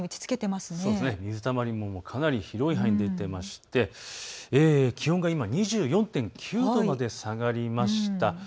水たまりもかなり広い範囲で出ていまして気温が今、２４．９度まで下がりました。